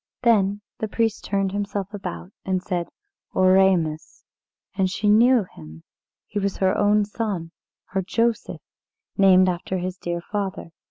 Then the priest turned himself about, and said, "Oremus." And she knew him he was her own son her Joseph, named after his dear father.